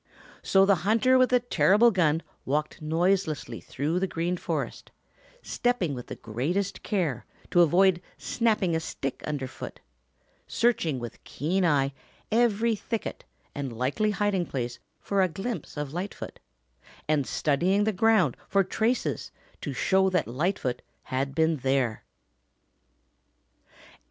So the hunter with the terrible gun walked noiselessly through the Green Forest, stepping with the greatest care to avoid snapping a stick underfoot, searching with keen eye every thicket and likely hiding place for a glimpse of Lightfoot, and studying the ground for traces to show that Lightfoot had been there.